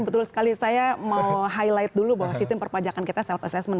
betul sekali saya mau highlight dulu bahwa situ yang perpajakan kita self assessment